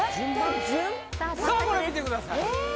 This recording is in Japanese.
さあこれ見てください